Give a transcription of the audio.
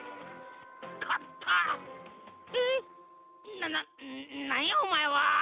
なななんやおまえは！